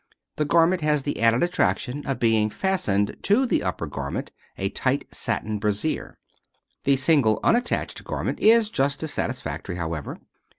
This garment has the added attraction of being fastened to the upper garment, a tight satin brassiere. The single, unattached garment is just as satisfactory, however.